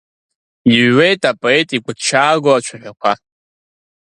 Иҩуеит апоет игәыҭшьаагоу ацәаҳәақәа.